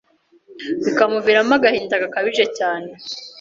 bikamuviramo agahinda gakabije cyane